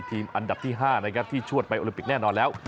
อันดับที่๕นะครับที่ชวดไปโอลิมปิกแน่นอนแล้ว